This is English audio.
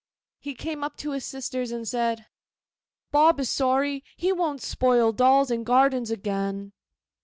He came up to his sisters, and said, 'Bob is sorry; he won't spoil dolls and gardens again.